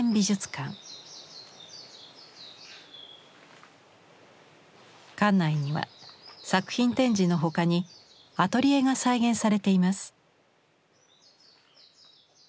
館内には作品展示の他にアトリエが再現されています。